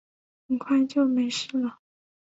很快就没事了